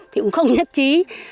thì cũng không nhất trí